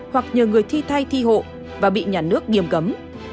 hoặc nhờ người thi thay thi hộ và bị nhà nước nghiêm cấm